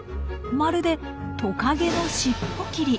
まるで「トカゲの尻尾切り」。